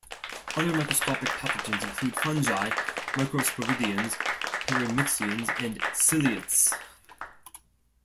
Other microscopic pathogens include fungi, microsporidians, paramyxeans and ciliates.